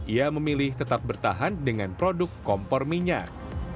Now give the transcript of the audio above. ia memilih tetap bertahan dengan produk kompor minyak